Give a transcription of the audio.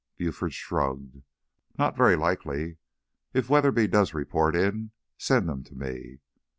Buford shrugged. "Not very likely. If Weatherby does report in, send him to me!